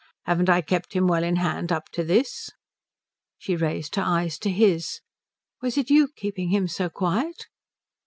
Haven't I kept him well in hand up to this?" She raised her eyes to his. "Was it you keeping him so quiet?"